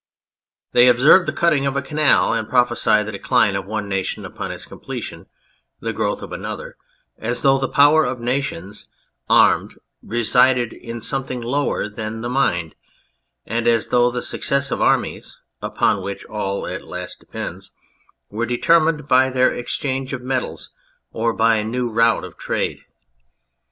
They observe the cutting of a canal and prophesy the decline of one nation upon its completion, the growth of another as though the power of nations armed resided in something lower than the Mind, and as though the success of armies (upon which all at last depends) were determined by the exchange of metals or by new routes of trade.